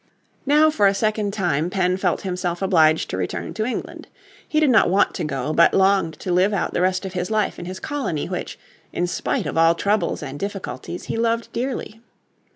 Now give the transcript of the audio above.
Now for a second time Penn felt himself obliged to return to England. He did not want to go, but longed to live out the rest of his life in his colony which, in spite of all troubles and difficulties, be loved dearly.